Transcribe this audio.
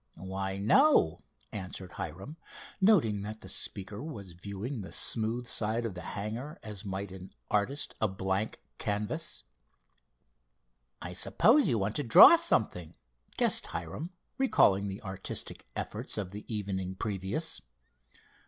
"Why, no," answered Hiram, noting that the speaker was viewing the smooth side of the hangar as might an artist a blank canvas. "I suppose you want to draw something," guessed Hiram, recalling the artistic efforts of the evening previous.